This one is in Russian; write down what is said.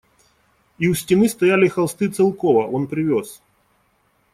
И у стены стояли холсты Целкова, он привез.